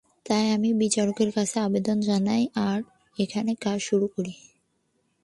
তাই আমি বিচারকের কাছে আবেদন জানাই আর এখানে কাজ শুরু করি।